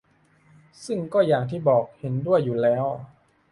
ซึ่งก็อย่างที่บอก เห็นด้วยอยู่แล้ว